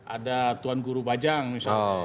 ada tuan guru bajang misalnya